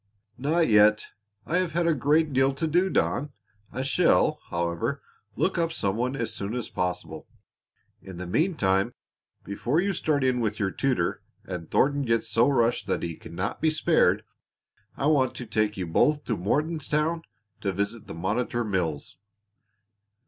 "Not yet. I have had a great deal to do, Don. I shall, however, look up some one as soon as possible. In the meantime, before you start in with your tutor, and Thornton gets so rushed that he cannot be spared, I want to take you both to Mortonstown to visit the Monitor Mills.